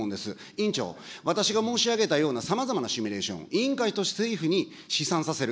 委員長、私が申し上げたようなさまざまなシミュレーション、委員会として、政府に試算させる。